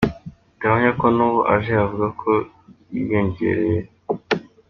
Ndahamya ko n’ubu aje yavuga ko ryiyongeye.